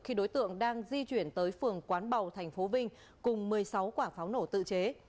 khi đối tượng đang di chuyển tới phường quán bầu tp vinh cùng một mươi sáu quả pháo nổ tự chế